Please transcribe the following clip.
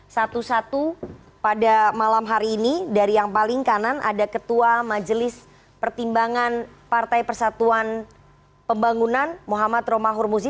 satu satu pada malam hari ini dari yang paling kanan ada ketua majelis pertimbangan partai persatuan pembangunan muhammad romahur muzi